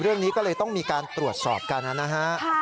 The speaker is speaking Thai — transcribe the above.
เรื่องนี้ก็เลยต้องมีการตรวจสอบกันนะฮะ